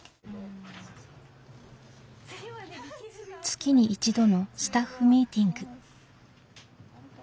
月に１度のスタッフミーティング。